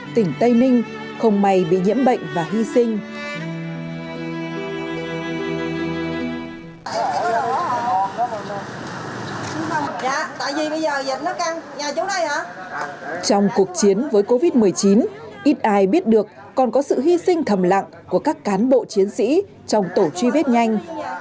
trong cuộc chiến với covid một mươi chín ít ai biết được còn có sự hy sinh thầm lặng của các cán bộ chiến sĩ trong tổ truy vết nhanh